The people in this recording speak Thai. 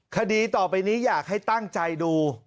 คดีต่อไปนี้อยากให้ตั้งใจดู